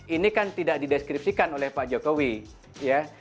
ini kan tidak dideskripsikan oleh pak jokowi ya